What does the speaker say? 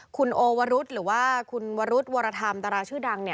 คุณโอวรุษหรือว่าคุณวรุธวรธรรมดาราชื่อดัง